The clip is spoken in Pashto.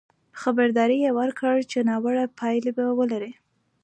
خبرداری یې ورکړ چې ناوړه پایلې به ولري.